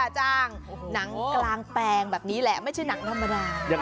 จ้างหนังกลางแปลงแบบนี้แหละไม่ใช่หนังธรรมดา